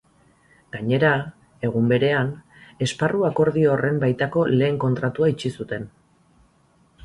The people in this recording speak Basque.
Gainera, egun berean, esparru-akordio horren baitako lehen kontratua itxi zuten.